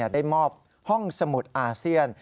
ได้มอบห้องสมุดอาเซียน